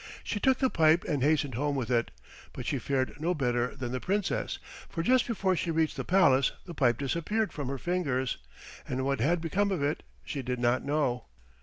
She took the pipe and hastened home with it, but she fared no better than the Princess, for just before she reached the palace the pipe disappeared from her fingers, and what had become of it she did not know.